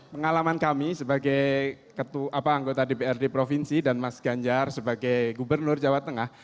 pengalaman kami sebagai anggota dprd provinsi dan mas ganjar sebagai gubernur jawa tengah